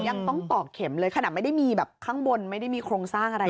ยังต้องตอกเข็มเลยขนาดไม่ได้มีแบบข้างบนไม่ได้มีโครงสร้างอะไร